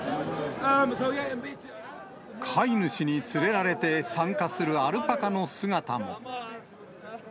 飼い主に連れられて参加するアルパカの姿も。